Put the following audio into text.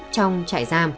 trong trại giam